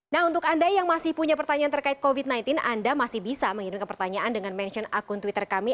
nah untuk anda yang masih punya pertanyaan terkait covid sembilan belas anda masih bisa mengirimkan pertanyaan dengan mention akun twitter kami